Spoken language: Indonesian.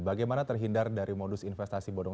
bagaimana terhindar dari modus investasi bodong